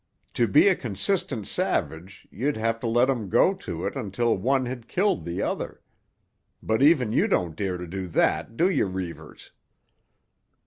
To be a consistent savage you'd have to let 'em go to it until one had killed the other. But even you don't dare to do that, do you, Reivers?"